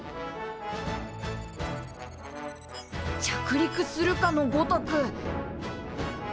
着陸するかのごとく。